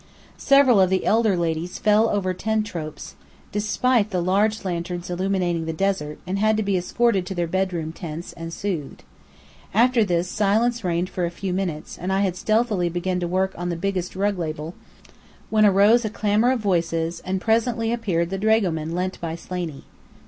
Several of the elder ladies fell over ten tropes, despite the large lanterns illuminating the desert, and had to be escorted to their bedroom tents, and soothed. After this, silence reigned for a few minutes, and I had stealthily begun to work on the biggest rug label, when arose a clamour of voices and presently appeared the dragoman lent by Slaney.